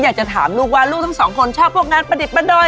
อยากจะถามลูกว่าลูกทั้งสองคนชอบพวกงานประดิษฐ์ประดอย